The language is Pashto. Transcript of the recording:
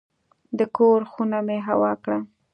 د کور خونه مې هوا کړه.